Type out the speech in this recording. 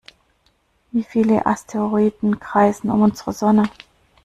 Wie viele Asteroiden kreisen um unsere Sonne?